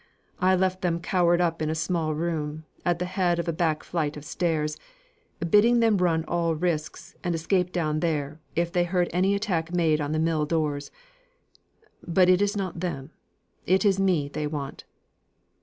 I left them cowed up in a small room, at the head of a back flight of stairs; bidding them run all risks, and escape down there, if they heard any attack made on the mill doors. But it is not them it is me they want."